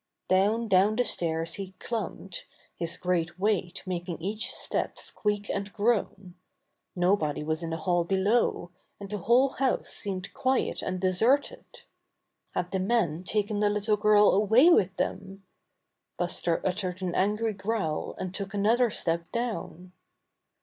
Down, down the stairs he clumped, his great weight making each step squeak and groan. Nobody was in the hall below, and the whole house seemed quiet and deserted. Had the men taken the little girl away with them? Buster uttered an angry growl and took an other step down.